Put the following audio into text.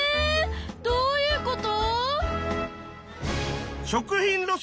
どういうこと？